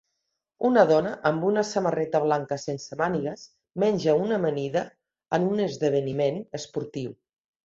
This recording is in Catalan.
Una dona amb una samarreta blanca sense mànigues menja una amanida en un esdeveniment esportiu.